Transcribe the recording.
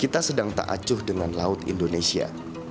kita sedang tak acuh dengan laut indonesia